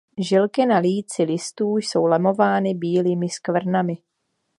Žilky na líci listů jsou lemovány bílými skvrnami.